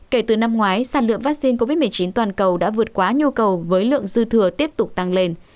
kể từ năm ngoái sản lượng vaccine covid một mươi chín toàn cầu đã vượt quá nhu cầu với lượng dư thừa tiếp tục tăng lên